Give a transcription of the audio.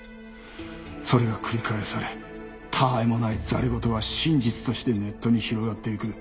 それが繰り返されたわいもない戯れ言は真実としてネットに広がっていく。